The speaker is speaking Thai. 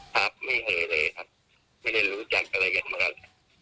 ครับไม่เคยเลยครับไม่ได้รู้จักอะไรกันมาแล้ว